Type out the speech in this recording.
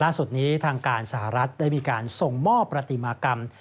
ล่าสุดนี้ทางการสหรัฐได้มีการส่งมอบประติมากรรม